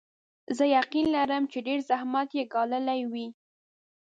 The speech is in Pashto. زه یقین لرم چې ډېر زحمت یې ګاللی وي.